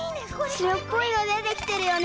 しろっぽいのでてきてるよね。